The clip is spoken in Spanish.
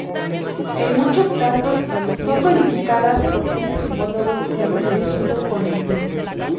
En muchos casos, son codificadas por genes homólogos que han divergido con el tiempo.